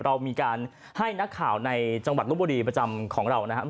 เรามีการให้นักข่าวในจังหวัดลบบุรีประจำของเรานะครับ